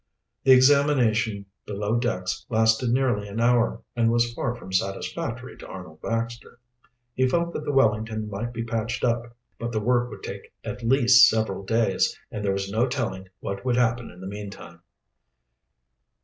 The examination below decks lasted nearly an hour, and was far from satisfactory to Arnold Baxter. He felt that the Wellington might be patched up, but the work would take at least several days, and there was no telling what would happen in the meantime.